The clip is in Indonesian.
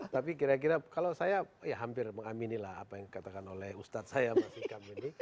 tapi kira kira kalau saya ya hampir mengamini lah apa yang dikatakan oleh ustadz saya mas ikam ini